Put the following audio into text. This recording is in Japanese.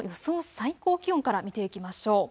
最高気温から見ていきましょう。